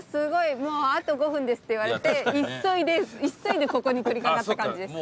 もう「あと５分です」って言われて急いで急いでここに取り掛かった感じです。